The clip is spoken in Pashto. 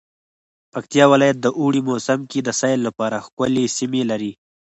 پکتيا ولايت د اوړی موسم کی د سیل لپاره ښکلی سیمې لری